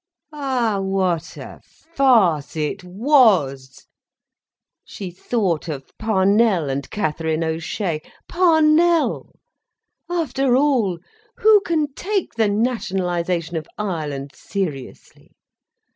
Ah, what a farce it was! She thought of Parnell and Katherine O'Shea. Parnell! After all, who can take the nationalisation of Ireland seriously?